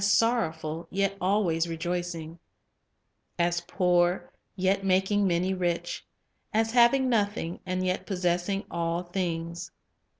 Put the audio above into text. sorrowful, yet ahvay rejoicing; as poor, yet making main' rich; as having nothing, and yet possessing all things."'